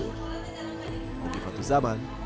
untuk foto zaman